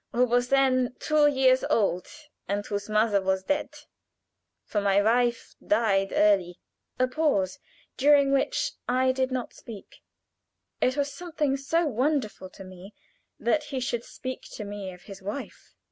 who was then two years old, and whose mother was dead for my wife died early." A pause, during which I did not speak. It was something so wonderful to me that he should speak to me of his wife.